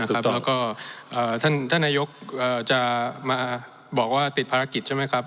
แล้วก็ท่านนายกจะมาบอกว่าติดภารกิจใช่ไหมครับ